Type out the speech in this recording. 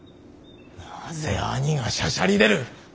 なぜ兄がしゃしゃり出る。